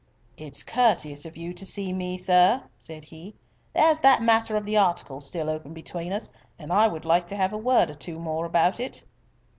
"It's courteous of you to see me, sir," said he. "There's that matter of the article still open between us, and I would like to have a word or two more about it."